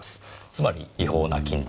つまり違法な金利。